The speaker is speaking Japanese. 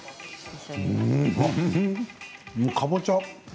かぼちゃ。